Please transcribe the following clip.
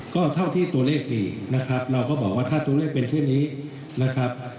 ก็เท่าที่ตัวเลขมีนะครับเราก็บอกว่าถ้าตัวเลขเป็นเช่นนี้นะครับ